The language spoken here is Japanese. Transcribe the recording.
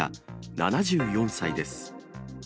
７４歳です。